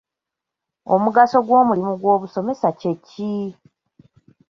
Omugaso gw’omulimu gobusoomesa kyeki?